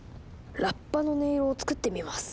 ラッパの音色を作ってみます。